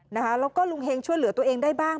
แล้วก็ลุงเฮงช่วยเหลือตัวเองได้บ้าง